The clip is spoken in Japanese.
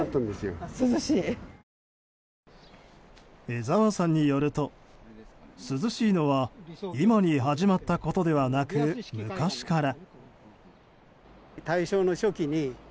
江澤さんによると涼しいのは今に始まったことではなく昔から。